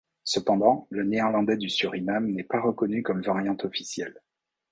Cependant, le néerlandais du Suriname n'est pas reconnu comme variante officielle.